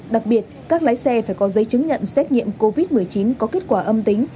đặc biệt các lái xe phải có giấy chứng nhận xét nghiệm covid một mươi chín có kết quả âm tính